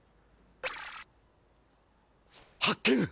発見！